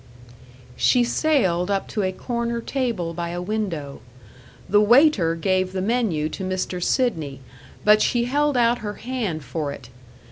She sailed up to a corner table by a window. The waiter gave the menu to Mr. Sidney, but she held out her hand for it.